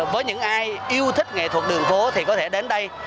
với những ai yêu thích nghệ thuật đường phố thì có thể đến đây